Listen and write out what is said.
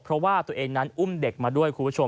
เพราะว่าตัวเองนั้นอุ้มเด็กมาด้วย